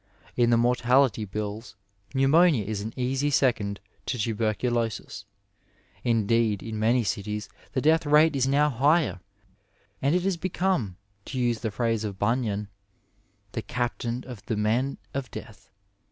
In the mortality bills, pneumonia is an easy second, to tuber culosis; indeed, in many cities the death rate is now higher and it has become, to use the phrase of Bunyan, " the Captain of the men of death.